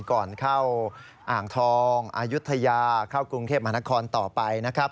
ก่อนเข้าอ่างทองอายุทยาเข้ากรุงเทพมหานครต่อไปนะครับ